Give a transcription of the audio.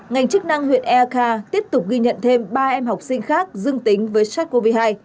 ngành chức năng huyện eakha tiếp tục ghi nhận thêm ba em học sinh khác dương tính với sars cov hai